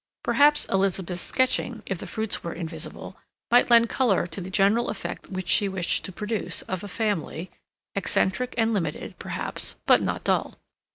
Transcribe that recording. Perhaps Elizabeth's sketching, if the fruits were invisible, might lend color to the general effect which she wished to produce of a family, eccentric and limited, perhaps, but not dull.